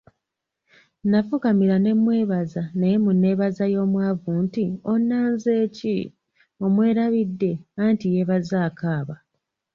Nafukamira ne mmwebaza naye mu neebaza y'omwavu nti "onnanze ki?" omwerabidde, anti yeebaza akaaba.